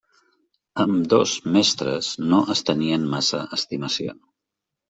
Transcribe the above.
Ambdós mestres no es tenien massa estimació.